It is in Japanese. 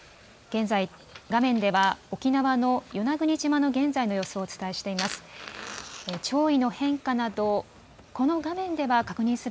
現在、画面では沖縄の与那国島の現在の様子をお伝えしています。